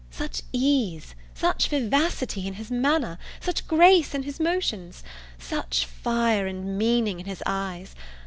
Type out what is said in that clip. Such ease! such vivacity in his manner! such grace in his motions! such fire and meaning in his eyes!